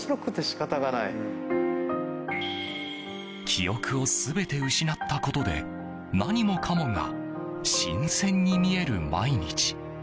記憶を全て失ったことで何もかもが新鮮に見える毎日。